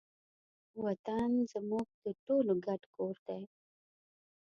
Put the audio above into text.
وطن زموږ د ټولو ګډ کور دی.